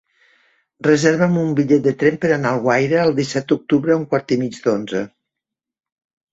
Reserva'm un bitllet de tren per anar a Alguaire el disset d'octubre a un quart i mig d'onze.